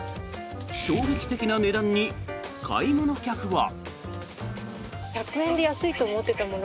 衝撃的な値段に買い物客は。